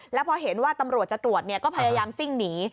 แล้วพอเห็นว่าตำรวจจะตรวจก็พยายามซิ่งหนี